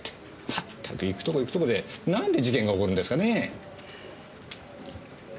まったく行くところ行くところで何で事件が起こるんですかねぇ？